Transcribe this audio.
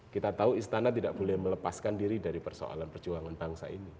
kita tahu istana tidak boleh melepaskan diri dari persoalan perjuangan bangsa ini